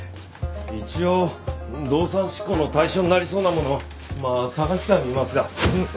一応動産執行の対象になりそうなものをまあ探してはみますがんっ？